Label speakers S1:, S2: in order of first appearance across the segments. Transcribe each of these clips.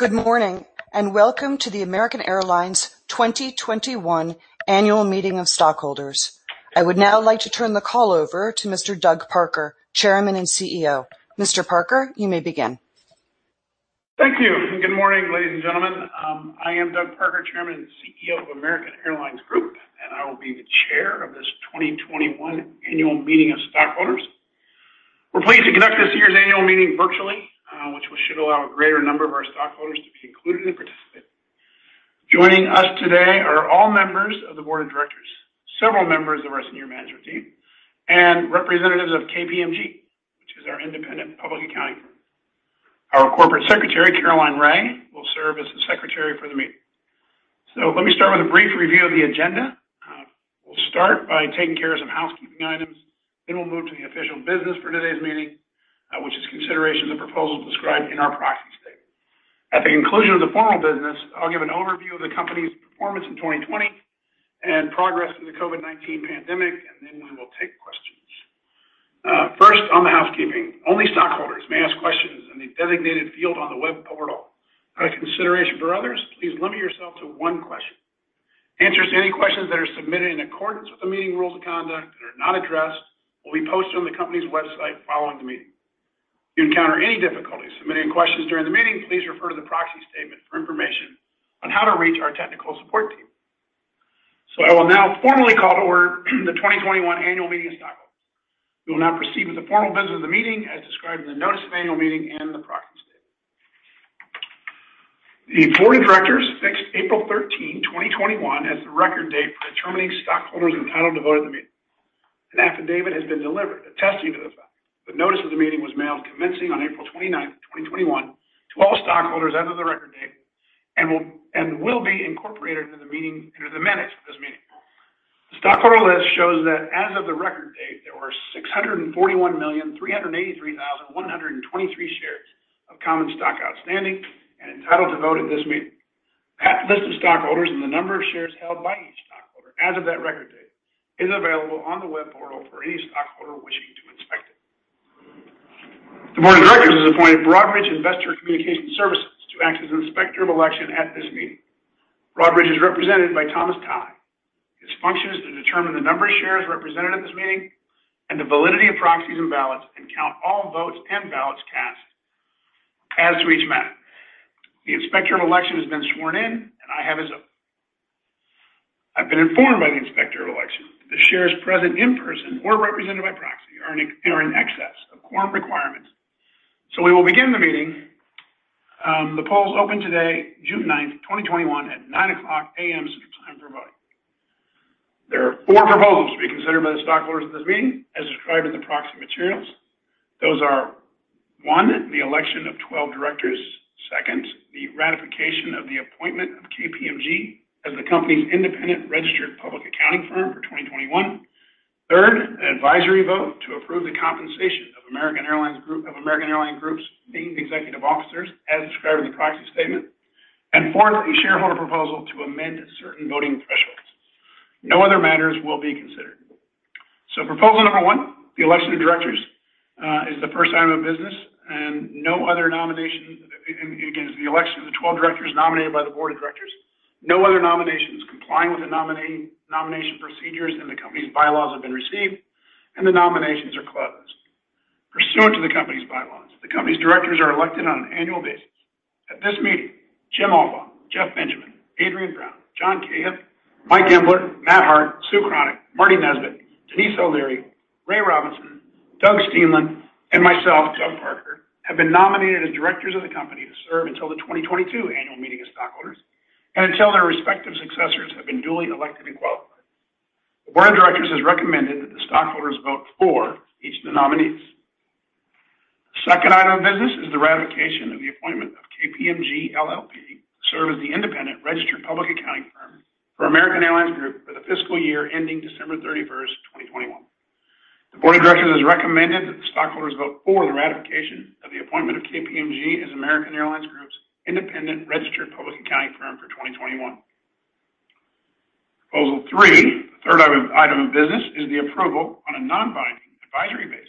S1: Good morning, and welcome to the American Airlines 2021 Annual Meeting of Stockholders. I would now like to turn the call over to Mr. Doug Parker, Chairman and CEO. Mr. Parker, you may begin.
S2: Thank you, and good morning, ladies and gentlemen. I am Doug Parker, Chairman and CEO of American Airlines Group, and I will be the chair of this 2021 Annual Meeting of Stockholders. We're pleased to conduct this year's annual meeting virtually, which should allow a greater number of our stockholders to be included and participate. Joining us today are all members of the board of directors, several members of our senior management team, and representatives of KPMG, which is our independent public accounting firm. Our Corporate Secretary, Caroline B. Ray, will serve as the secretary for the meeting. Let me start with a brief review of the agenda. We'll start by taking care of some housekeeping items, then we'll move to the official business for today's meeting, which is consideration of the proposal described in our proxy statement. At the conclusion of the formal business, I'll give an overview of the company's performance in 2020 and progress in the COVID-19 pandemic, and then we will take questions. First, on the housekeeping. Only stockholders may ask questions in the designated field on the web portal. Out of consideration for others, please limit yourself to one question. Answers to any questions that are submitted in accordance with the meeting rules of conduct that are not addressed will be posted on the company's website following the meeting. If you encounter any difficulties submitting questions during the meeting, please refer to the proxy statement for information on how to reach our technical support team. I will now formally call to order the 2021 Annual Meeting of Stockholders. We will now proceed with the formal business of the meeting as described in the notice of the annual meeting and the proxy statement. The board of directors fixed April 13, 2021, as the record date for determining stockholders entitled to vote at the meeting. An affidavit has been delivered attesting to the fact that notice of the meeting was mailed commencing on April 29, 2021, to all stockholders as of the record date and will be incorporated into the minutes of this meeting. The stockholder list shows that as of the record date, there were 641,383,123 shares of common stock outstanding and entitled to vote at this meeting. A list of stockholders and the number of shares held by each stockholder as of that record date is available on the web portal for any stockholder wishing to inspect it. The board of directors has appointed Broadridge Investor Communication Solutions to act as inspector of election at this meeting. Broadridge is represented by Thomas Kai. Its function is to determine the number of shares represented at this meeting and the validity of proxies and ballots, and count all votes and ballots cast as to each matter. The inspector of election has been sworn in, and I have as well. I've been informed by the inspector of election that the shares present in person or represented by proxy are in excess of quorum requirements. We will begin the meeting. The polls opened today, June 9, 2021, at 9:00 AM Eastern Time for voting. There are four proposals to be considered by the stockholders of this meeting as described in the proxy materials. Those are, one, the election of 12 directors, second, the ratification of the appointment of KPMG as the company's independent registered public accounting firm for 2021. Third, an advisory vote to approve the compensation of American Airlines Group's named executive officers as described in the proxy statement. Fourth, the shareholder proposal to amend certain voting thresholds. No other matters will be considered. Proposal number one, the election of directors, is the first item of business, and it is the election of the 12 directors nominated by the board of directors. No other nominations complying with the nomination procedures in the company's bylaws have been received, and the nominations are closed. Pursuant to the company's bylaws, the company's directors are elected on an annual basis. At this meeting, Jim Albaugh, Jeff Benjamin, Adriane Brown, John T. Cahill, Michael J. Geltzeiler, Matt Hart, Sue Kronick, Marty Nesbitt, Denise M. O'Leary, Ray Robinson, Douglas M. Steenland, and myself, Doug Parker, have been nominated as directors of the company to serve until the 2022 annual meeting of stockholders and until their respective successors have been duly elected and qualified. The board of directors has recommended that the stockholders vote for each of the nominees. The second item of business is the ratification of the appointment of KPMG LLP to serve as the independent registered public accounting firm for American Airlines Group for the fiscal year ending December 31st, 2021. The board of directors has recommended that the stockholders vote for the ratification of the appointment of KPMG as American Airlines Group's independent registered public accounting firm for 2021. Proposal three, third item of business, is the approval on a non-binding advisory basis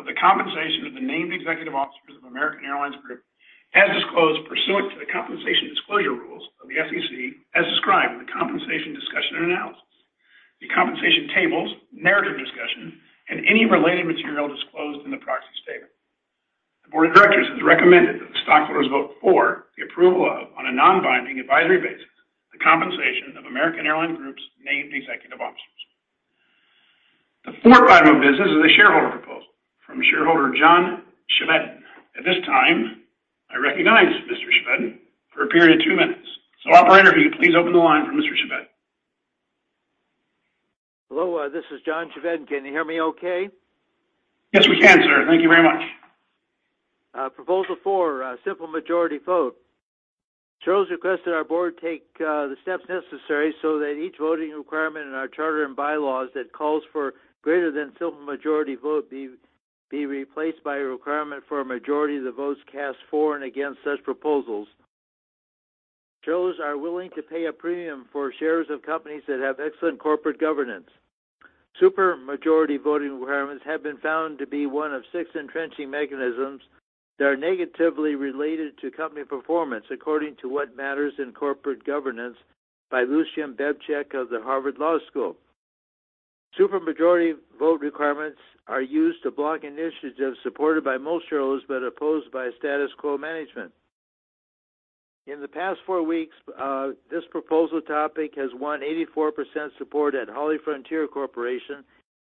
S2: of the compensation of the named executive officers of American Airlines Group as disclosed pursuant to the compensation disclosure rules of the SEC as described in the compensation discussion and analysis, the compensation tables, narrative discussion, and any related material disclosed in the proxy statement. The board of directors has recommended that the stockholders vote for the approval of, on a non-binding advisory basis, the compensation of American Airlines Group's named executive officers. The fourth item of business is a shareholder proposal from shareholder John Chevedden. At this time, I recognize Mr. Chevedden for a period of two minutes. Operator, if you'd please open the line for Mr. Chevedden.
S3: Hello, this is John Chevedden. Can you hear me okay?
S2: Yes, we can, sir. Thank you very much.
S3: Proposal four, simple majority vote. Shareholders request that our board take the steps necessary so that each voting requirement in our charter and bylaws that calls for greater than simple majority vote be replaced by a requirement for a majority of the votes cast for and against such proposals. Shareholders are willing to pay a premium for shares of companies that have excellent corporate governance. Super majority voting requirements have been found to be one of six entrenching mechanisms that are negatively related to company performance, according to "What Matters in Corporate Governance?" by Lucian Bebchuk of the Harvard Law School. Super majority vote requirements are used to block initiatives supported by most shareholders but opposed by status quo management. In the past four weeks, this proposal topic has won 84% support at HollyFrontier Corporation,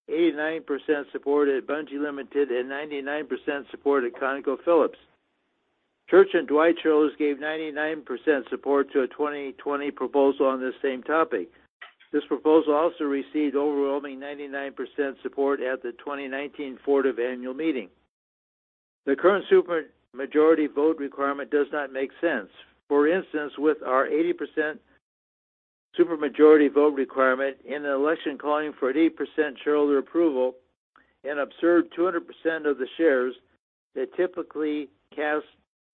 S3: 89% support at Bunge Limited, and 99% support at ConocoPhillips. Church & Dwight shareholders gave 99% support to a 2020 proposal on this same topic. This proposal also received overwhelming 99% support at the 2019 Ford annual meeting. The current super majority vote requirement does not make sense. For instance, with our 80% supermajority vote requirement in an election calling for an 80% shareholder approval, an absurd 200% of the shares that typically cast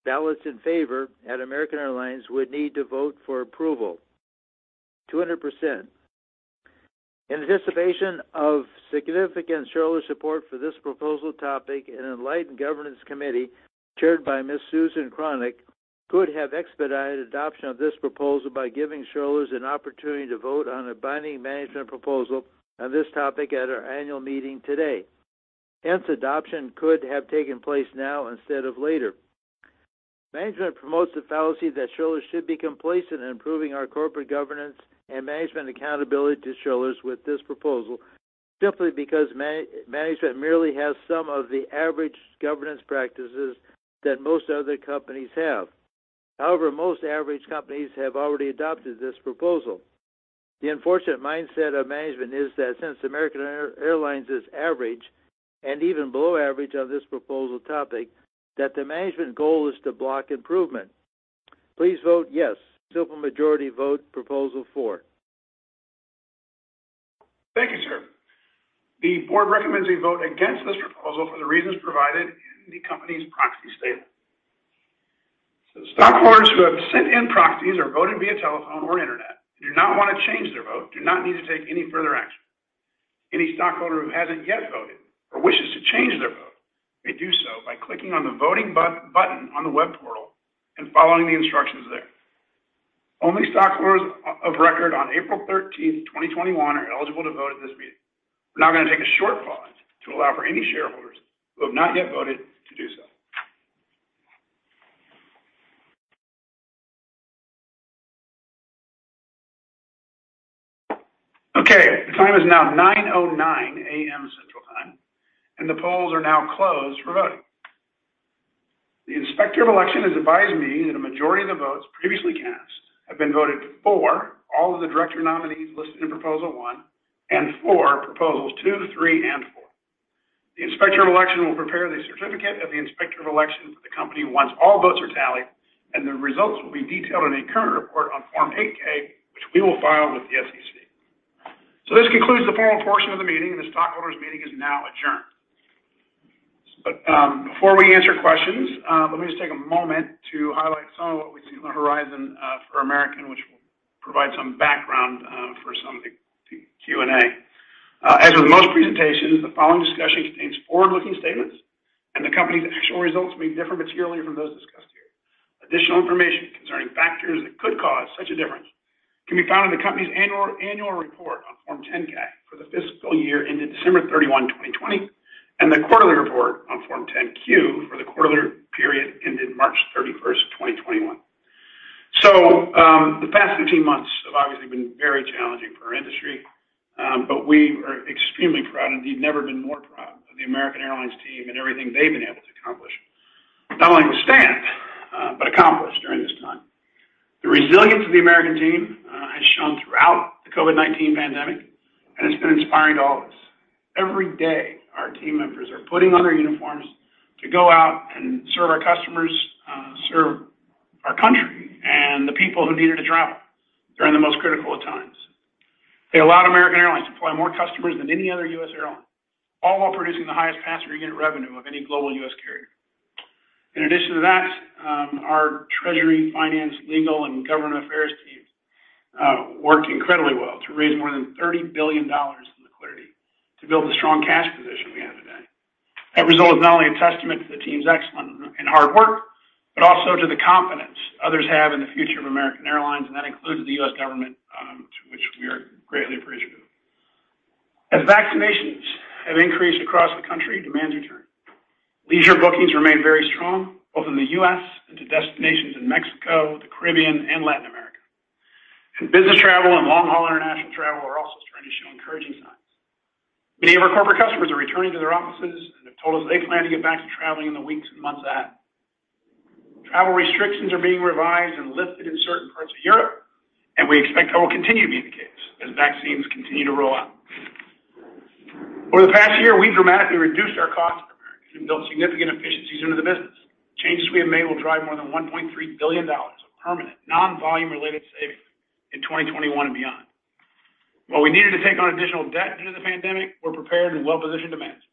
S3: ballots in favor at American Airlines would need to vote for approval, 200%. In anticipation of significant shareholder support for this proposal topic, an enlightened governance committee chaired by Ms. Susan D. Kronick could have expedited adoption of this proposal by giving shareholders an opportunity to vote on a binding management proposal on this topic at our annual meeting today. Hence, adoption could have taken place now instead of later. Management promotes the fallacy that shareholders should be complacent in improving our corporate governance and management accountability to shareholders with this proposal simply because management merely has some of the average governance practices that most other companies have. However, most average companies have already adopted this proposal. The unfortunate mindset of management is that since American Airlines is average and even below average on this proposal topic, that the management goal is to block improvement. Please vote yes. Super majority vote Proposal four.
S2: Thank you, sir. The board recommends we vote against this proposal for the reasons provided in the company's proxy statement. Stockholders who have sent in proxies or voted via telephone or internet and do not want to change their vote do not need to take any further action. Any stockholder who hasn't yet voted or wishes to change their vote may do so by clicking on the voting button on the web portal and following the instructions there. Only stockholders of record on April 13, 2021 are eligible to vote at this meeting. We're now going to take a short pause to allow for any shareholders who have not yet voted to do so. Okay. The time is now 9:09 A.M. Central Time, and the polls are now closed for voting. The Inspector of Election has advised me that the majority of the votes previously cast have been voted for all of the director nominees listed in Proposal one and for Proposals two, three, and four. The Inspector of Election will prepare the certificate of the Inspector of Election for the company once all votes are tallied, and the results will be detailed in a current report on Form 8-K, which we will file with the SEC. This concludes the formal portion of the meeting. The stockholders meeting is now adjourned. Before we answer questions, let me just take a moment to highlight some of what we see on the horizon for American, which will provide some background for some of the Q&A. As with most presentations, the following discussion contains forward-looking statements, and the company's actual results may differ materially from those discussed here. Additional information concerning factors that could cause such a difference can be found in the company's annual report on Form 10-K for the fiscal year ended December 31, 2020, and the quarterly report on Form 10-Q for the quarterly period ended March 31st, 2021. The past 18 months have obviously been very challenging for our industry, but we are extremely proud, and we've never been more proud of the American Airlines team and everything they've been able to accomplish, not only withstand but accomplish during this time. The resilience of the American team has shown throughout the COVID-19 pandemic, and it's been inspiring to all of us. Every day, our team members are putting on their uniforms to go out and serve our customers, serve our country, and the people who need us to travel during the most critical of times. They allowed American Airlines to fly more customers than any other U.S. airline, all while producing the highest passenger unit revenue of any global U.S. carrier. In addition to that, our treasury, finance, legal, and government affairs teams worked incredibly well to raise more than $30 billion in liquidity to build a strong cash position at the end of the day. That result is not only a testament to the team's excellent and hard work, but also to the confidence others have in the future of American Airlines, and that includes the U.S. government, to which we are greatly appreciative. As vaccinations have increased across the country, demand is returning. Leisure bookings remain very strong, both in the U.S. and to destinations in Mexico, the Caribbean, and Latin America. Business travel and long-haul international travel are also showing encouraging signs. Many of our corporate customers are returning to their offices and have told us they plan to get back to traveling in the weeks and months ahead. Travel restrictions are being revised and lifted in certain parts of Europe, and we expect that will continue to be the case as vaccines continue to roll out. Over the past year, we dramatically reduced our costs at American and built significant efficiencies into the business. Changes we have made will drive more than $1.3 billion of permanent non-volume related savings in 2021 and beyond. While we needed to take on additional debt due to the pandemic, we're prepared and well-positioned to manage it.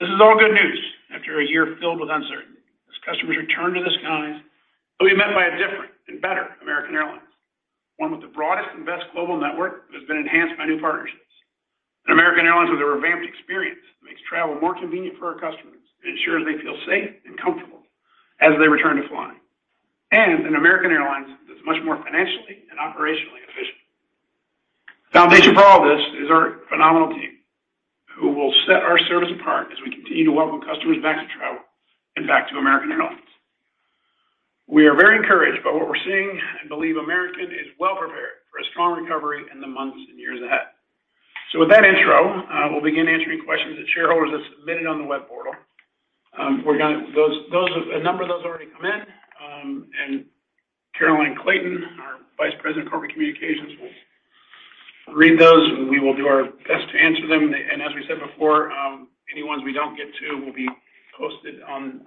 S2: This is all good news after a year filled with uncertainty. As customers return to the skies, they'll be met by a different and better American Airlines, one with the broadest and best global network that has been enhanced by new partnerships. An American Airlines with a revamped experience that makes travel more convenient for our customers and ensures they feel safe and comfortable as they return to flying, and an American Airlines that's much more financially and operationally efficient. The foundation for all this is our phenomenal team, who will set our service apart as we continue to welcome customers back to travel and back to American Airlines. We are very encouraged by what we're seeing and believe American is well-prepared for a strong recovery in the months and years ahead. With that intro, we'll begin answering questions that shareholders have submitted on the web portal. A number of those already come in. Caroline Clayton, our Vice President of Corporate Communications, will read those, and we will do our best to answer them. As we said before, any ones we don't get to will be posted on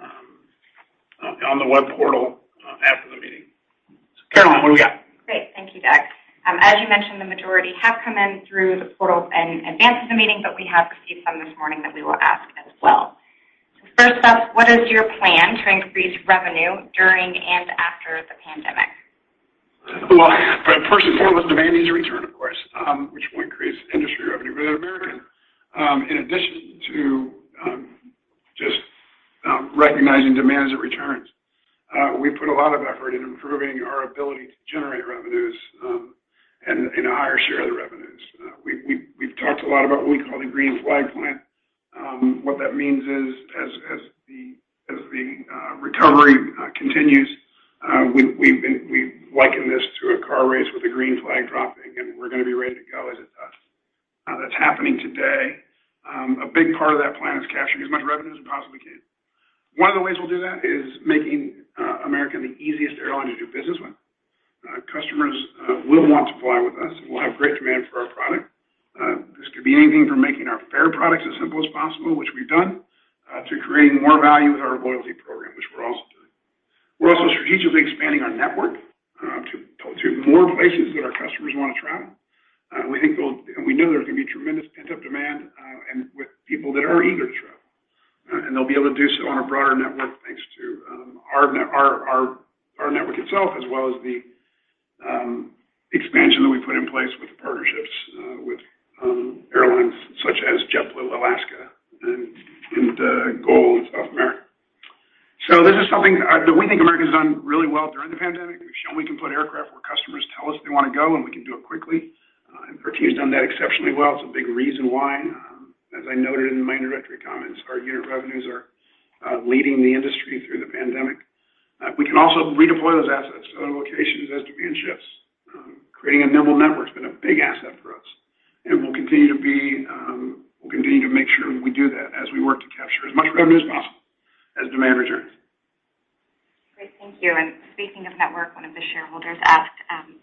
S2: the web portal after the meeting. Caroline, what do we got?
S4: Great. Thank you, Doug. As you mentioned, the majority have come in through the portal and advance of the meeting, but we have received some this morning that we will ask as well. First up, what is your plan to increase revenue during and after the pandemic?
S2: Well, first and foremost, demand needs to return, of course, which point creates industry revenue. At American, in addition to just recognizing demand as it returns, we've put a lot of effort into improving our ability to generate revenues and a higher share of the revenues. We've talked a lot about what we call the Green Flag Plan. What that means is as the recovery continues, we liken this to a car race with a green flag dropping, and we're going to be ready to go as it does. That's happening today. A big part of that plan is capturing as much revenue as we possibly can. One of the ways we'll do that is making American the easiest airline to do business with.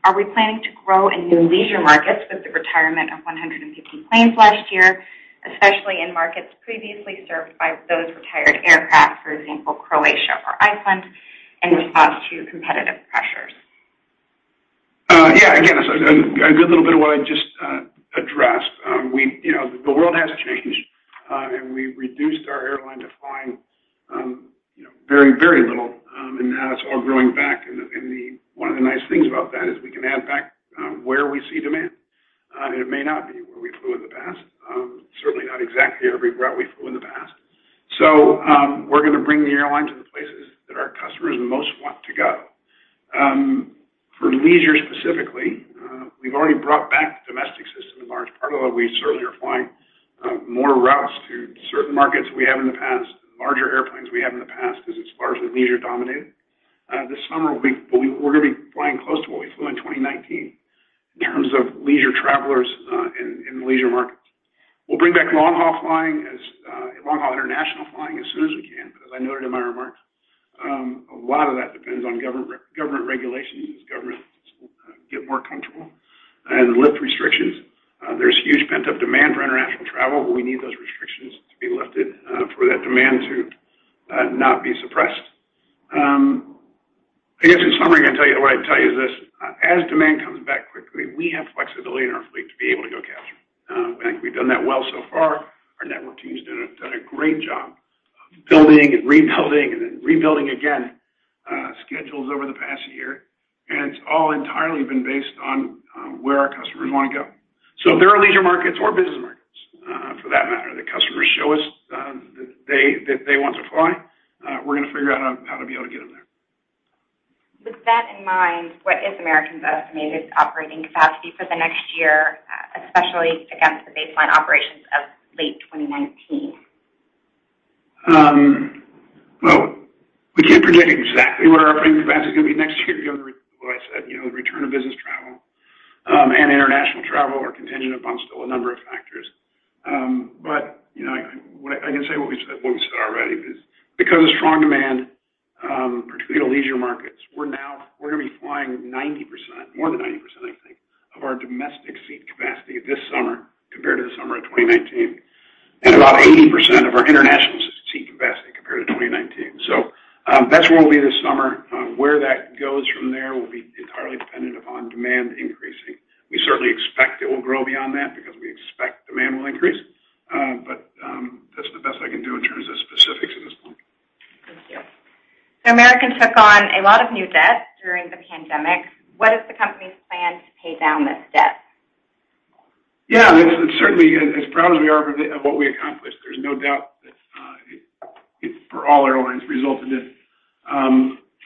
S4: are we planning to grow in new leisure markets with the retirement of 150 planes last year, especially in markets previously served by those retired aircraft, for example, Croatia or Iceland, in response to competitive pressures?
S2: Yeah, again, a little bit of what I just addressed. The world has changed, and we reduced our airline to fly very little, and now it's all growing back. One of the nice things about that is we can add back where we see demand. It may not be where we flew in the past, certainly not exactly every route we flew in the past. We're going to bring the airline to the places that our customers the most want to go. For leisure specifically, we've already brought back the domestic system in large part, although we certainly are flying think, of our domestic seat capacity this summer compared to the summer of 2019 and about 80% of our international-2019. That's where we'll be this summer. Where that goes from there will be entirely dependent upon demand increasing. We certainly expect it will grow beyond that because we expect demand will increase. That's the best I can do in terms of specifics at this point.
S4: Thank you. American took on a lot of new debt during the pandemic. What is the company's plan to pay down this debt?
S2: Yeah, certainly, as proud as we are of what we accomplished, there's no doubt that for all our loans resulted in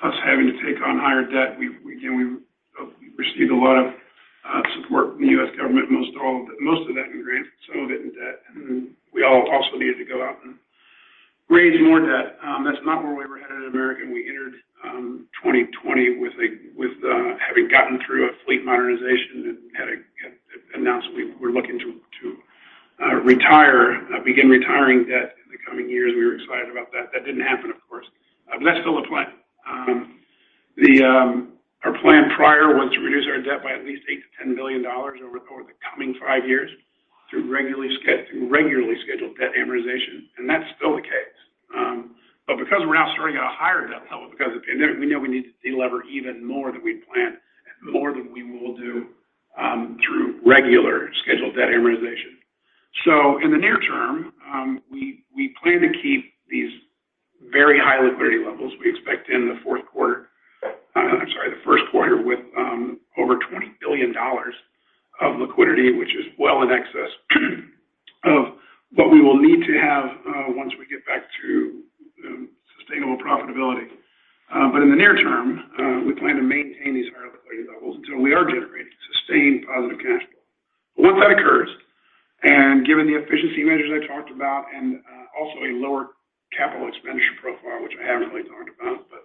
S2: us having to take on higher debt. We received a lot of support from the U.S. government, most of that in grants, some of it in debt. We also needed to go out and raise more debt. That's not where we were headed at American. We entered 2020 with having gotten through a fleet modernization and had announced we were looking to begin retiring debt in the coming years. We were excited about that. That didn't happen, of course. That's still the plan. Our plan prior was to reduce our debt by at least $8 billion-$10 billion over the coming five years through regularly scheduled debt amortization. That's still the case. Because we're now starting at a higher debt level, because we know we need to de-lever even more than we planned and more than we will do through regular scheduled debt amortization. In the near term, we plan to keep these very high liquidity levels we expect in the fourth quarter, I'm sorry, the first quarter with over $20 billion of liquidity, which is well in excess of what we will need to have once we get back to sustainable profitability. In the near term, we plan to maintain these higher liquidity levels until we are generating sustained positive cash flow. Once that occurs, and given the efficiency measures I talked about and also a lower capital expenditure profile, which I haven't really talked about, but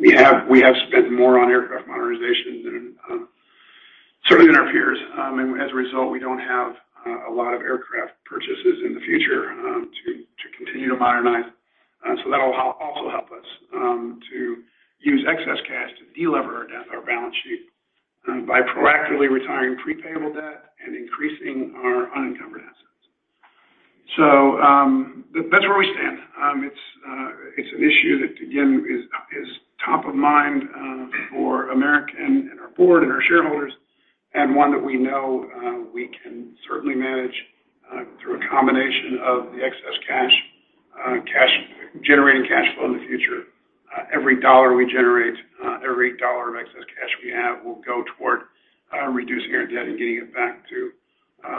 S2: we have spent more on aircraft modernization than some of our peers. As a result, we don't have a lot of aircraft purchases in the future to continue to modernize. That will also help us to use excess cash to de-lever our balance sheet by proactively retiring prepaid debt and increasing our unencumbered assets. That's where we stand. It's an issue that, again, is top of mind for American and our board and our shareholders, and one that we know we can certainly manage through a combination of the excess cash, generating cash flow in the future. Every dollar we generate, every dollar of excess cash we have will go toward reducing our debt and getting it back to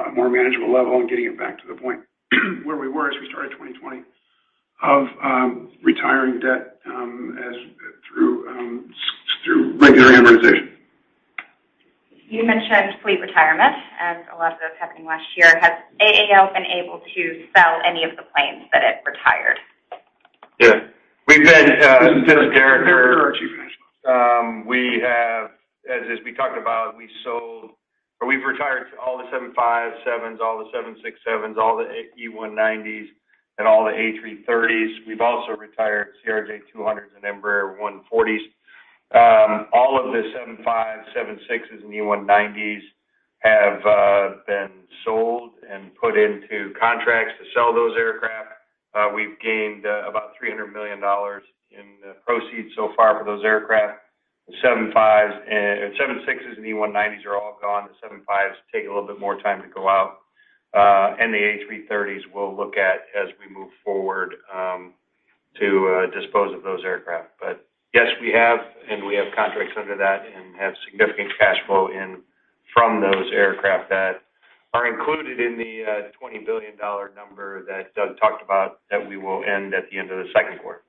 S2: a more manageable level and getting it back to the point where we were as we started 2020 of retiring debt through regular amortization.
S4: You mentioned fleet retirements as a lot of those happening last year. Has AAL been able to sell any of the planes that it retired?
S5: Yeah. This is Derek. We have, as we talked about, we've retired all the 757s, all the 767s, all the E190s, and all the A330s. We've also retired CRJ200s and Embraer 140s. All of the 757-76s and E190s have been sold and put into contracts to sell those aircraft. We've gained about $300 million in proceeds so far for those aircraft. The 76s and E190s are all gone. The 75s take a little bit more time to go out. The A330s we'll look at as we move forward to dispose of those aircraft. Yes, we have, and we have contracts under that and have significant cash flow in from those aircraft that are included in the $20 billion number that Doug talked about that we will end at the end of the second quarter.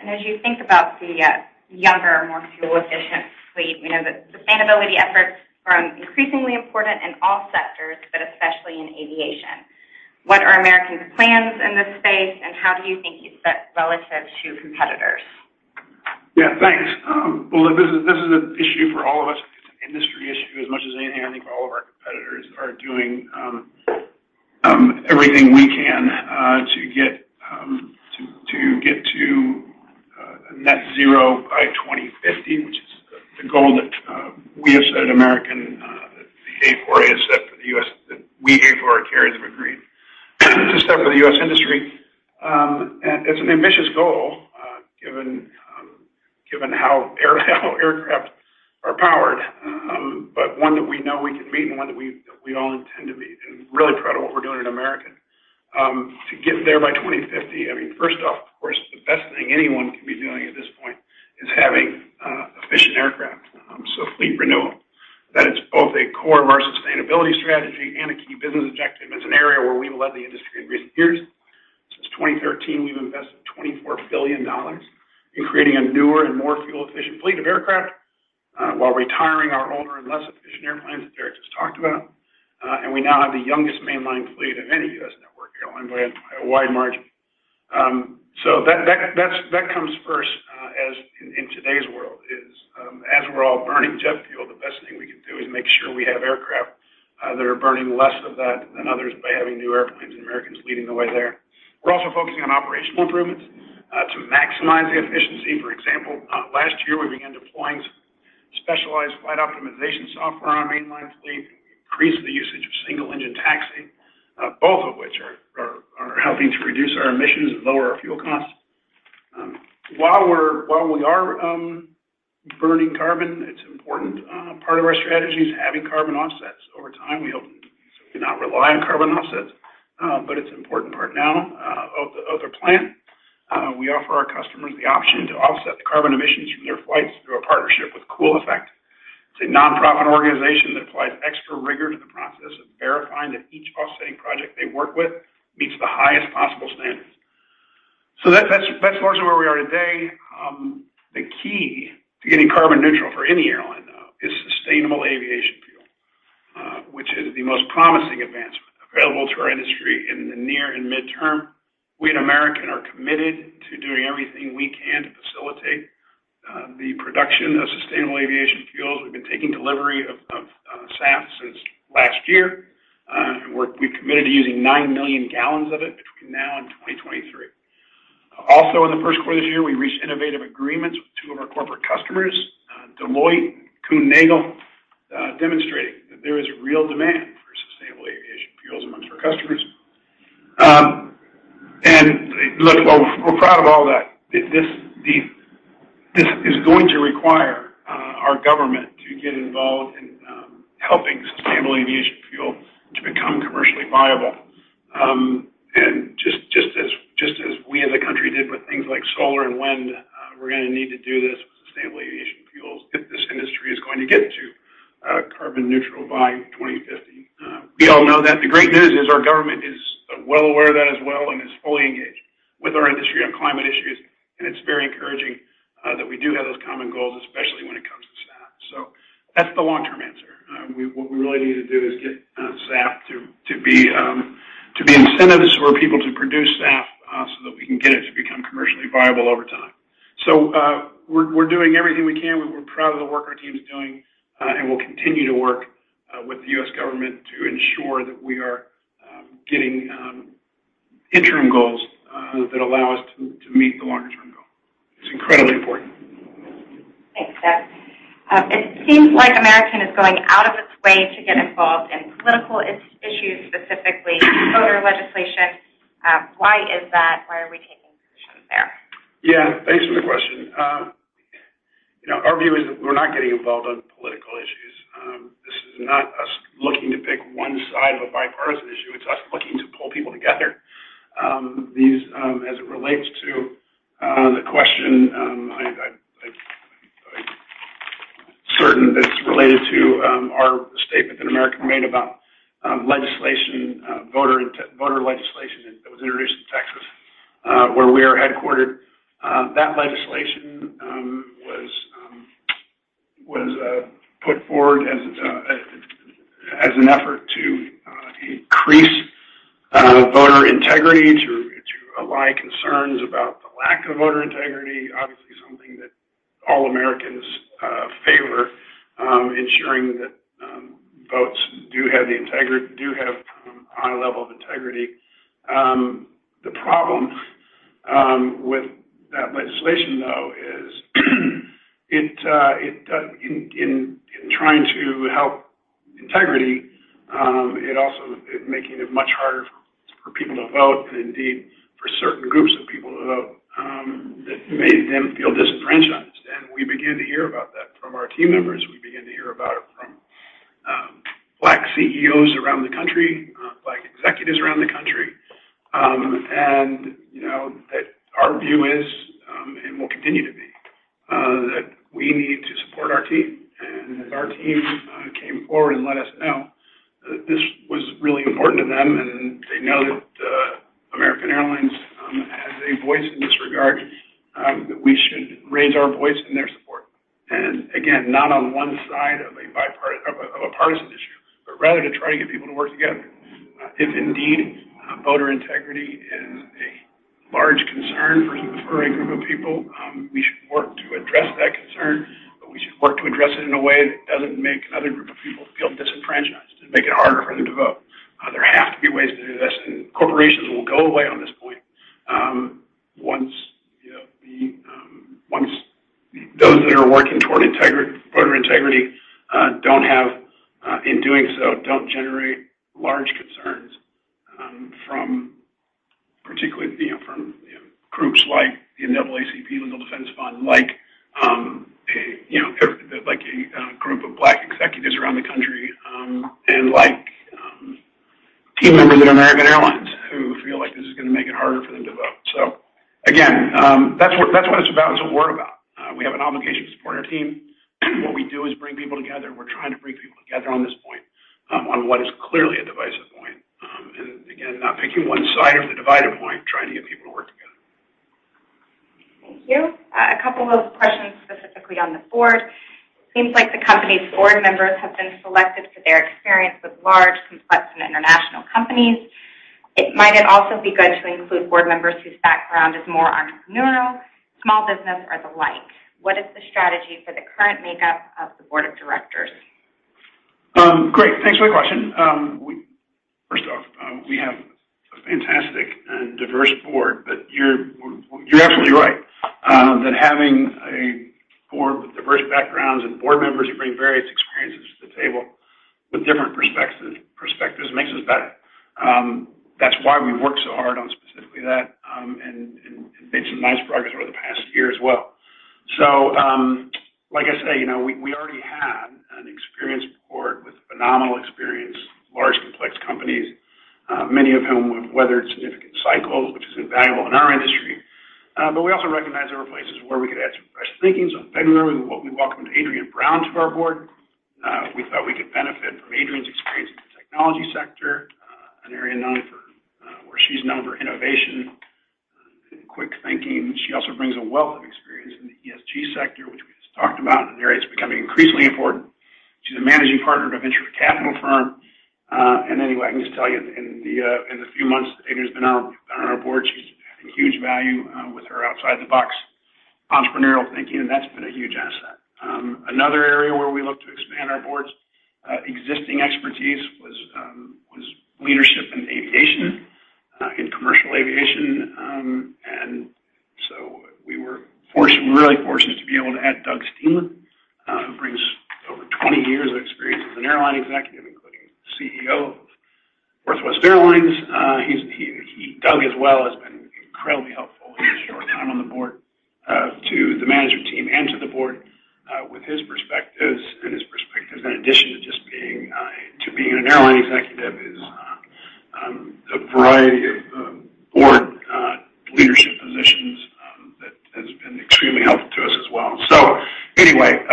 S4: As you think about the younger, more fuel-efficient fleet, we know that sustainability efforts are increasingly important in all sectors, but especially in aviation. What are American's plans in this space, and how do you think you fit relative to competitors?
S6: Yeah, thanks. Well, this is an issue for all of us. All of our competitors are doing everything we can to get to net zero by 2050, which is the goal that we have set at American, that A4A has set for the U.S., that we A4A carriers have agreed to set for the U.S. industry. It's an ambitious goal given how aircraft are powered, but one that we know we can meet and one that we all intend to meet and really proud of what we're doing at American to get there by 2050. I mean, first off, of course, the best thing anyone can be doing at this point is having efficient aircraft, so fleet renewal. That is both a core of our sustainability strategy and a key business objective as an area where we led the industry in recent years. Since 2013, we've invested $24 billion in creating a newer and more fuel-efficient fleet of aircraft while retiring our older and less efficient airplanes that Derek just talked about. We now have the youngest mainline fleet of any U.S. network airline by a wide margin. That comes first as in today's world is, as we're all burning jet fuel, the best thing we can do is make sure we have aircraft that are burning less of that than others by having newer airplanes, and American's leading the way there. We're also focusing on operational improvements to maximize the efficiency. For example, last year we began deploying specialized flight optimization software on mainlines fleet, increase the usage of single engine taxi, both of which are helping to reduce our emissions and lower our fuel costs. While we are burning carbon, it's important. Part of our strategy is having carbon offsets. Over time, we obviously cannot rely on carbon offsets, but it's an important part now of the plan. We offer our customers the option to offset the carbon emissions from your flights through a partnership with Cool Effect. It's a non-profit organization that applies extra rigor to the process of verifying that each offset project they work with meets the highest possible standards. That's mostly where we are today. The key to getting carbon neutral for any airline, though, is sustainable aviation fuel, which is the most promising advancement available to our industry in the near and midterm. We at American are committed to doing everything we can to facilitate the production of sustainable aviation fuels. We've been taking delivery of SAF since last year, and we committed to using 9 million gallons of it between now and 2023. Also in the first quarter of the year, we reached innovative agreements with two of our corporate customers, Deloitte and Kuehne+Nagel, demonstrating that there is real demand for sustainable aviation fuels amongst our customers. Look, while we're proud of all that, this is going to require our government to get involved in helping sustainable aviation fuel to become commercially viable. Just as we as a country did with things like solar and wind, we're going to need to do this with sustainable aviation fuels if this industry is going to get to carbon neutral by 2050. We all know that. The great news is our government is well aware of that as well and is fully engaged with our industry on climate issues, and it's very encouraging that we do have those common goals, especially when it comes to SAF. That's the long-term answer. What we really need to do is get SAF to be incentives for people to produce SAF, so that we can get it to become commercially viable over time. We're doing everything we can. We're proud of the work our team's doing, and we'll continue to work with the U.S. government to ensure that we are getting interim goals that allow us to meet the longer-term goal. It's incredibly important.
S4: Thanks, Seth. It seems like American is going out of its way to get involved in political issues, specifically voter legislation. Why is that? Why are we taking a position there?
S2: Yeah, thanks for the question. Our view is that we're not getting involved in political issues. This is not us looking to pick one side of a bipartisan issue. It's us looking to pull people together. These, as it relates to the question, I'm certain it's related to our statement that American made about legislation, voter legislation that was introduced in Texas, where we are headquartered. That legislation was put forward as an effort to increase voter integrity, to allay concerns about the lack of voter integrity, obviously something that all Americans favor, ensuring that votes do have a high level of integrity. The problem with that legislation, though, is in trying to help integrity, it also is making it much harder for people to vote, and indeed, for certain groups of people to vote. That made them feel disenfranchised, and we began to hear about that from our team members. We began to hear about it from Black CEOs around the country, Black executives around the country. Our view is, and will continue to be, that we need to support our team. As our team came forward and let us know that this was really important to them, and they know that American Airlines has a voice in this regard, that we should raise our voice in their support. Again, not on one side of a partisan issue, but rather to try and get people to work together. If indeed voter integrity is a large concern for a group of people, we should work to address that concern. We should work to address it in a way that doesn't make another group of people feel disenfranchised and make it harder for them to vote. There have to be ways to do this. Corporations will go away on this point once those that are working toward voter integrity, in doing so, don't generate large concerns from particularly from groups like the NAACP Legal Defense Fund, like a group of Black executives around the country, and like team members at American Airlines who feel like this is going to make it harder for them to vote. Again, that's what it's about. It's what we're about. We have an obligation to support our team. What we do is bring people together. We're trying to bring people together on this point, on what is clearly a divisive point. Again, not picking one side of the divided point, trying to get people to work together.
S4: Thank you. A couple of questions specifically on the board. It seems like the company's board members have been selected for their experience with large, complex, and international companies. Might it also be good to include board members whose background is more entrepreneurial, small business, or the like? What is the strategy for the current makeup of the board of directors?
S6: Great. Thanks for the question. We have a fantastic and diverse board, you're absolutely right that having a board with diverse backgrounds and board members who bring various experiences to the table with different perspectives makes us better. That's why we've worked so hard on specifically that and made some nice progress over the past year as well. Like I said, we already had an experienced board with phenomenal experience, large complex companies, many of whom have weathered significant cycles, which is invaluable in our industry. We also recognize there were places where we could add some fresh thinking, so February, when we welcomed Adriane Brown to our board. We felt we could benefit from Adriane's experience in the technology sector, an area known for where she's known for innovation and quick thinking. She also brings a wealth of experience in the ESG sector, which we just talked about, an area that's becoming increasingly important. She's a managing partner of a venture capital firm. Anyway, I can just tell you in the few months that Adriane's been on our board, she's had huge value with her outside the box entrepreneurial thinking, and that's been a huge asset. Another area where we look to expand our board's existing expertise was leadership in aviation, in commercial aviation. So we were really fortunate to be able to add Doug Parker, who brings over 20 years of experience as an airline executive, including CEO of Southwest Airlines. Doug as well has been incredibly helpful in his short time on the board to the management team and to the board with his perspectives and his perspectives in addition to just being an airline executive is a variety of board leadership positions that has been extremely helpful to us as well. Anyway,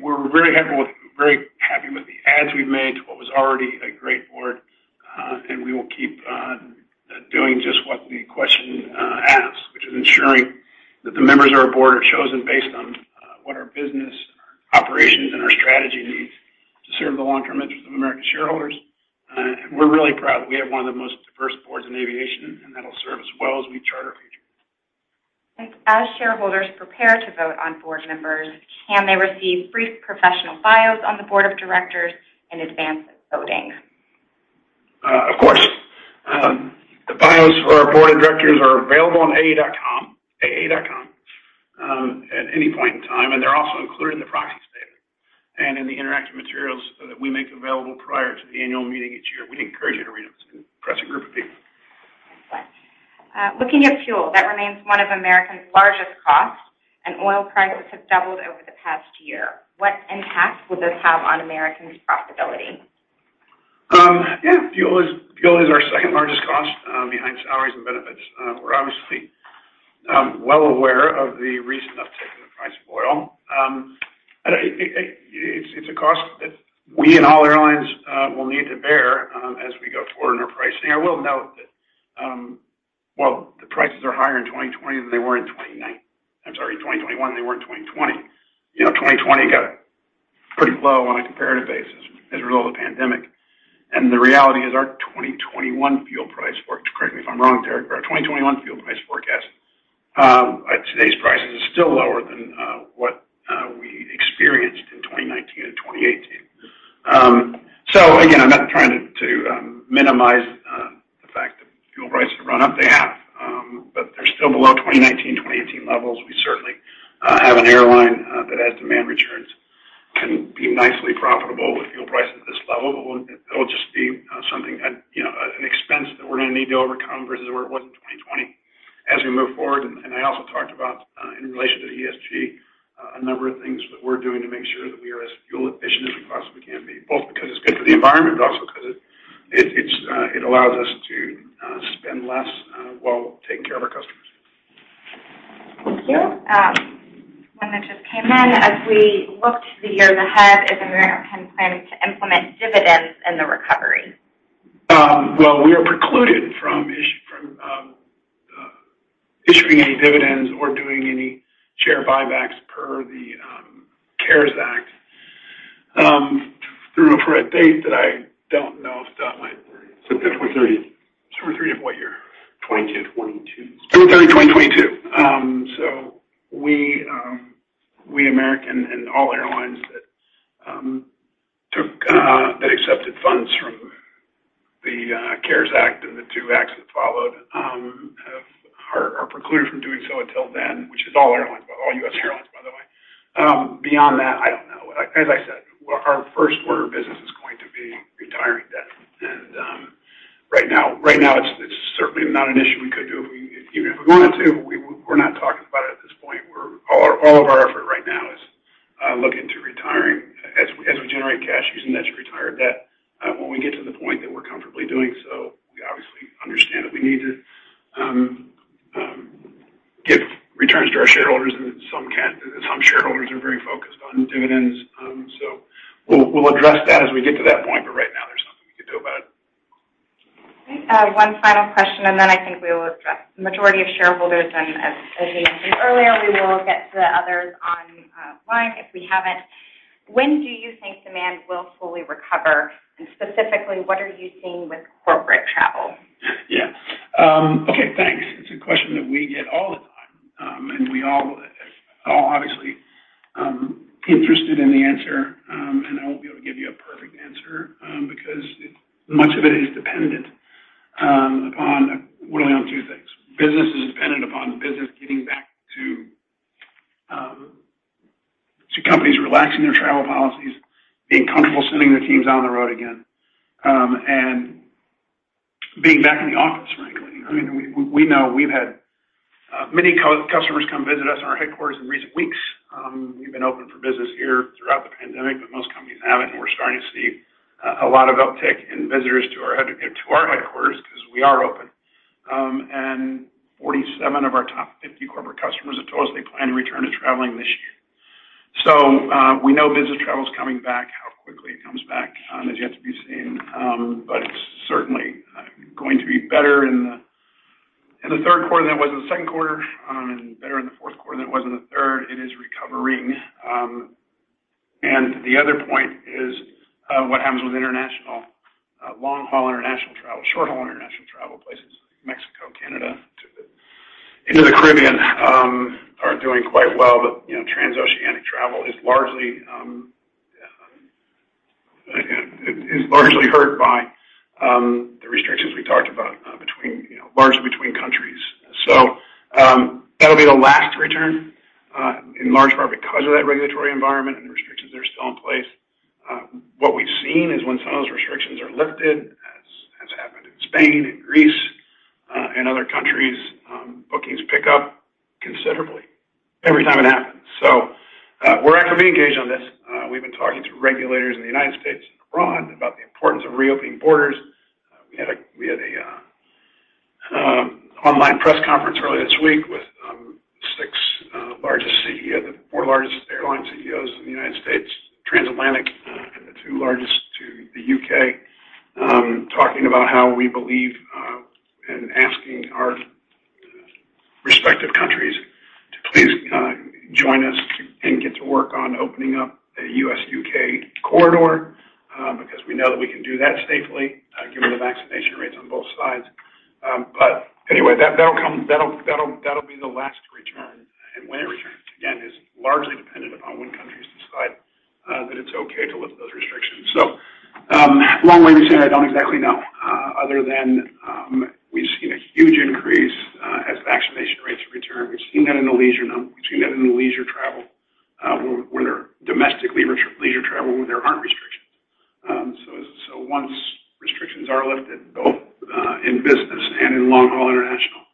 S6: we're very happy with the adds we've made to what was already a great board, and we will keep doing just what the question asked, which is ensuring that the members of our board are chosen based on what our business operations and our strategy needs to serve the long-term interests of American shareholders. And we're really proud that we have one of the most diverse boards in aviation, and that'll serve us well as we charter future.
S4: Thanks. As shareholders prepare to vote on board members, can they receive brief professional bios on the board of directors in advance of voting?
S2: Of course. The bios for our Board of Directors are available on aa.com at any point in time, and they're also included in the proxy statement and in the interactive materials that we make available prior to the annual meeting each year. We encourage everyone to press through everything.
S4: Looking at fuel, that remains one of American's largest costs, and oil prices have doubled over the past year. What impact will this have on American's profitability?
S2: Yeah. Fuel is our second-largest cost behind salaries and benefits. We're obviously well aware of the recent uptick in the price of oil. It's a cost that we and all airlines will need to bear as we go forward in our pricing. I will note that while the prices are higher in 2021 than they were in 2020. 2020 got a pretty low comparative basis as a result of the pandemic. The reality is, correct me if I'm wrong, Derek, our 2021 fuel price forecast at today's prices is still lower than what we experienced in 2019 and 2018. Again, I'm not trying to minimize the fact that fuel prices have gone up. They have, but they're still below 2019, 2018 levels. We certainly have an airline that has demand returns and can be nicely profitable with fuel prices at this level. It'll just be something, an expense that we're going to need to overcome versus where it was in 2020 as we move forward. I also talked about, in relation to ESG, a number of things that we're doing to make sure that we are as fuel efficient as we possibly can be, both because it's good for the environment, but also because it allows us to spend less while taking care of our customers.
S4: Thank you. I'm going to jump in. As we look to the year ahead, is American planning to implement dividends in the recovery?
S2: Well, we are precluded from issuing any dividends or doing any share buybacks per the CARES Act through a point in date that I don't know off the top of my head. September 30th. September 30th of what year? 2022. September 30th, 2022. We, American, and all airlines that accepted funds from the CARES Act and the two acts that followed are precluded from doing so until then, which is all airlines, all U.S. airlines, by the way. Beyond that, I don't know. As I said, our first order of business is going to be retiring debt. Right now it's certainly not an issue we could do How quickly it comes back is yet to be seen. It's certainly going to be better in the third quarter than it was in the second quarter, and better in the fourth quarter than it was in the third. It is recovering. The other point is what happens with international, long-haul international travel. Short-haul international travel, places like Mexico, Canada, and the Caribbean are doing quite well. Transoceanic travel is largely hurt by the restrictions we talked about between countries. That'll be the last return, in large part because of that regulatory environment and restrictions are still in place. What we've seen is when some of those restrictions are lifted, as happened in Spain and Greece and other countries, bookings pick up considerably every time it happens. We're actively engaged on this. We've been talking to regulators in the U.S. and abroad about the importance of reopening borders. We had an online press conference earlier this week with the 6 largest CEOs, the 4 largest airline CEOs in the U.S., transatlantic, and the 2 largest to the U.K., talking about how we believe and asking our respective countries to please join us and get to work on opening up a U.S.-U.K. corridor because we know that we can do that safely given the vaccination rates on both sides. Anyway, that'll be the last to return. When it returns, again, is largely dependent upon when countries decide that it's okay to lift those restrictions. Long way to say, I don't exactly know, other than we've seen a huge increase as vaccination rates return between that and leisure travel where domestically, leisure travel when there aren't restrictions. Once restrictions are lifted, both in business and in long-haul international,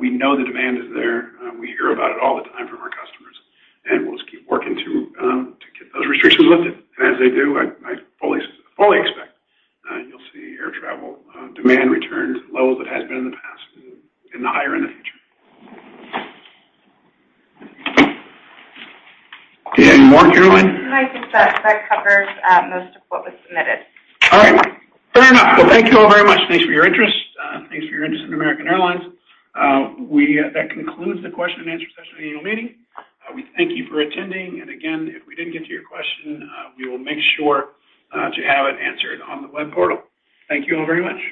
S2: we know the demand is there. We hear about it all the time from our customers, and we'll just keep working to get those restrictions lifted. As they do, I fully expect you'll see air travel demand return to levels it has been in the past and higher in the future. Do you have any more, Caroline?
S4: No, I think that covers most of what was submitted.
S2: All right. Very well. Thank you all very much. Thanks for your interest. Thanks for your interest in American Airlines. That concludes the question and answer session of the annual meeting. We thank you for attending. Again, if we didn't get to your question, we will make sure to have it answered on the web portal. Thank you all very much.